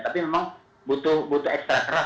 tapi memang butuh ekstra keras